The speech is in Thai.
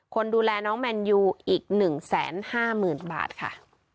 คนดูแลน้องแมนยูอีก๑๕๐๐๐บาทค่ะ